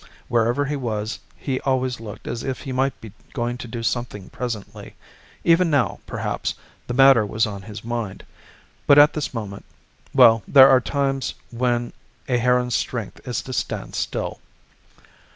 Wherever he was, he always looked as if he might be going to do something presently; even now, perhaps, the matter was on his mind; but at this moment well, there are times when a heron's strength is to stand still.